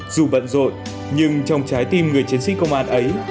dù bận rộn nhưng trong trái tim người chiến sĩ công an ấy